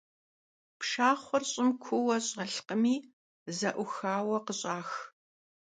Pşşaxhuer ş'ım kuuue ş'elhkhımi ze'uxaue khış'ax.